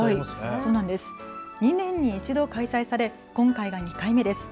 ２年に１度開催され今回が２回目です。